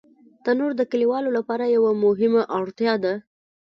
تنور د کلیوالو لپاره یوه مهمه اړتیا ده